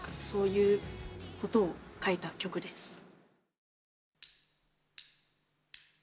そういうことを書いた曲です。